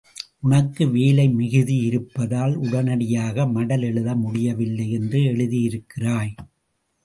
உனக்கு வேலை மிகுதியாயிருப்பதால் உடனடியாக மடல் எழுத முடியவில்லை என்று எழுதியிருக்கிறாய்.